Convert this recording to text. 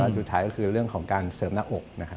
แล้วสุดท้ายก็คือเรื่องของการเสริมหน้าอก